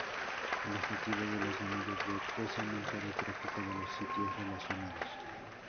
El objetivo de los anillos web es aumentar el tráfico de los sitios relacionados.